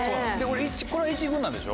これは１軍なんでしょ？